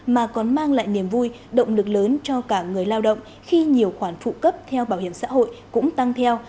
mà còn mang lại niềm vui động lực lớn cho cả người lao động khi nhiều khoản phụ cấp theo bảo hiểm xã hội cũng tăng theo